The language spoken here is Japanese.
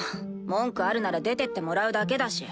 文句あるなら出てってもらうだけだし。